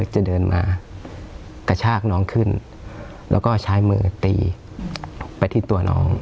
จะเดินมากระชากน้องขึ้นแล้วก็ใช้มือตีไปที่ตัวน้อง